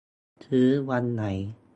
ซื้อวันไหน